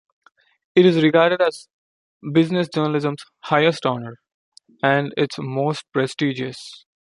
It is regarded as: "business journalism's highest honor," and its "most prestigious.